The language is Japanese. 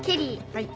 はい。